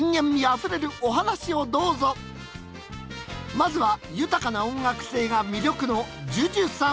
まずは豊かな音楽性が魅力のＪＵＪＵさん。